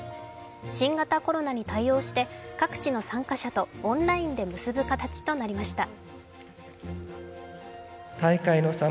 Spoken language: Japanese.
新型コロナに対応して各地の参加者とオンラインで結ぶ形となりました。